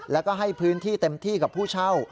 แล้วก็ให้พื้นที่เต็มที่กับผู้เช่า